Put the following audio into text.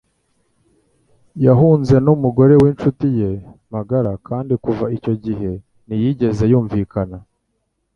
Yahunze n'umugore w'incuti ye magara kandi kuva icyo gihe ntiyigeze yumvikana.